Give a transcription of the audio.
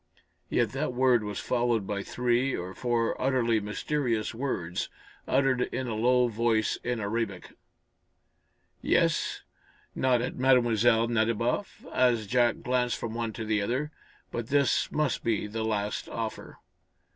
Yet that word was followed by three or four utterly mysterious words, uttered in a low voice in Arabic. "Yes," nodded Mlle. Nadiboff, as Jack glanced from one to the other, "but this must be the last offer."